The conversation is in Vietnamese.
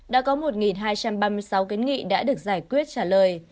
đã có một hai trăm ba mươi sáu kiến nghị đã được giải quyết trả lời